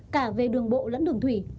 cả về đường bộ lẫn đường thủy